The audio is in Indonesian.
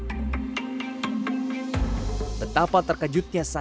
tetap terkejutnya saya ketika alex mengungkapkan bahwa ikan dan keong adalah makanan manusia